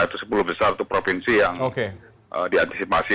itu sepuluh besar provinsi yang diantisipasi